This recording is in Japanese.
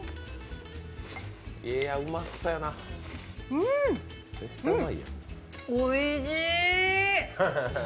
うん、おいしい！